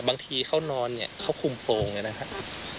บางทีเขานอนเขาคุมโปรงอย่างนั้นครับ